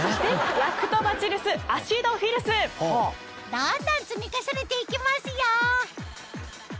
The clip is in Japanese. どんどん積み重ねていきますよ！